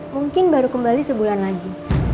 mungkin baru kembali sebulan lagi